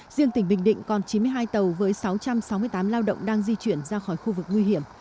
riêng tỉnh bình định còn chín mươi hai tàu với sáu trăm sáu mươi tám lao động đang di chuyển ra khỏi khu vực nguy hiểm